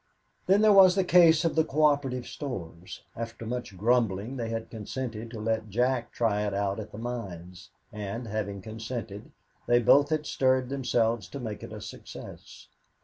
Then there was the case of the coöperative stores. After much grumbling, they had consented to let Jack try it out at the mines; and, having consented, they both had stirred themselves to make it a success.